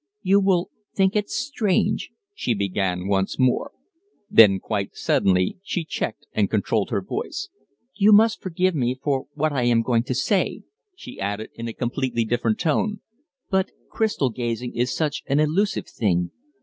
"You will think it strange " she began once more. Then quite suddenly she checked and controlled her voice. "You must forgive me for what I am going to say," she added, in a completely different tone, "but crystal gazing is such an illusive thing.